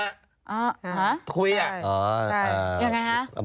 ฮะใช่อ๋อใช่อย่างไรคะ